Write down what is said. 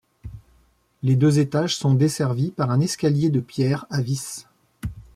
Les deux étages sont desservis par un escalier de pierre à vis.